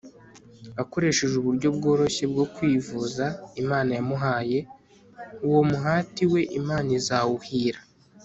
akoresheje uburyo bworoshye bwo kwivuza imana yamuhaye, uwo muhati we imana izawuhira